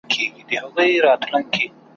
یو څو شپې د عدالت کوي غوښتنه `